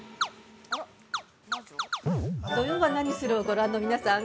◆「土曜はナニする！？」をご覧の皆さん